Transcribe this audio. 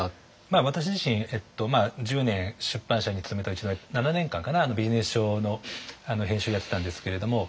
私自身１０年出版社に勤めたうちの７年間かなビジネス書の編集をやってたんですけれども。